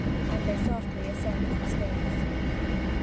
And they softly ascended the stairs.